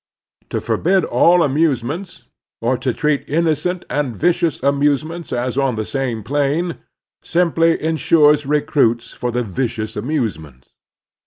To forbid all amusements, or to treat innocent and vicious amusements as on the same plane, simply insures recruits for the vicious amusements.